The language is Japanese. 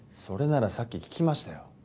それならさっき聞きましたよ。